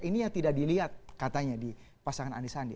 ini yang tidak dilihat katanya di pasangan anies sandi